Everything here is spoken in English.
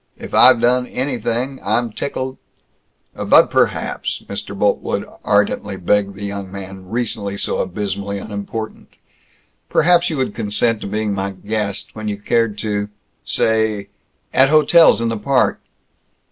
If I've done anything I'm tickled " "But perhaps," Mr. Boltwood ardently begged the young man recently so abysmally unimportant, "perhaps you would consent to being my guest, when you cared to say at hotels in the Park."